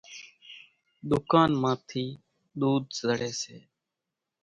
ۮُڪانَ مان ٿِي ۮوڌ زڙيَ سي۔